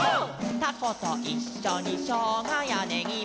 「たこといっしょにしょうがやねぎも」